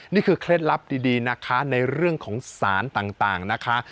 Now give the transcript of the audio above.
เคล็ดลับดีนะคะในเรื่องของสารต่างนะคะ